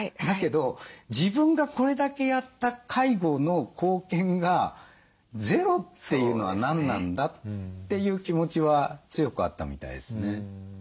だけど「自分がこれだけやった介護の貢献がゼロっていうのは何なんだ」という気持ちは強くあったみたいですね。